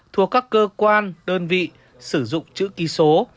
thuộc các cơ quan đơn vị sử dụng chữ ký số